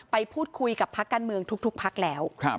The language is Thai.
ไปพูดคุยกับพักการเมืองทุกพักแล้ว